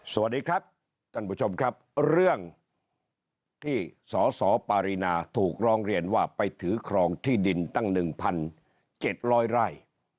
สวัสดีครับท่านผู้ชมครับเรื่องที่สอสอปารินาถูกรองเรียนว่าไปถือครองที่ดินตั้งหนึ่งพันเจ็ดร้อยไร่